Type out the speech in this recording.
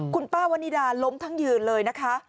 คุณป้าวนิดาล้มทั้งยืนเลยนะคะ